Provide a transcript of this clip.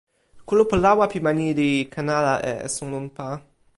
kulupu lawa pi ma ni li ken ala e esun unpa.